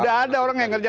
sudah ada orang yang kerja